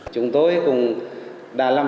chúng tôi cũng đã làm